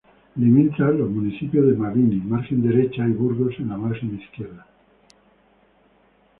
Limita los municipios de Mabini, margen derecha, y Burgos, en la margen izquierda.